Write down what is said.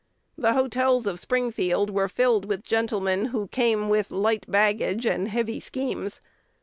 The hotels of Springfield were filled with gentlemen who came with, light baggage and heavy schemes.